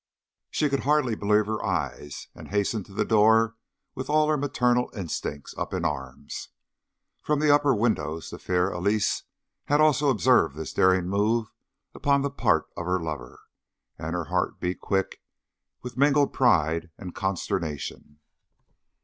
She could hardly believe her eyes, and hastened to the door with all her maternal instincts up in arms. From the upper windows the fair Elise had also observed this daring move upon the part of her lover, and her heart beat quick with mingled pride and consternation.